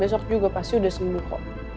besok juga pasti sudah sembuh kok